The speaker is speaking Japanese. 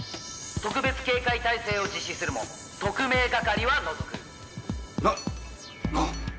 特別警戒態勢を実施するも特命係は除く」なっな。